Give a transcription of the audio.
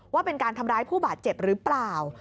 ว่าเป็นการทำร้ายผู้บาดเจ็บหรือเปล่า